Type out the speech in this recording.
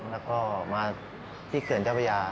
แล้วก็มาที่เขื่อนเจ้าพระยา